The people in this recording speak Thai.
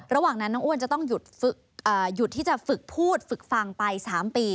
ระหว่างนั้นน้องอ้วนจะต้องหยุดที่จะฝึกพูดฝึกฟังไป๓ปี